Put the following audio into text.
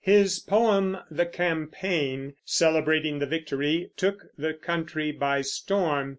His poem, "The Campaign," celebrating the victory, took the country by storm.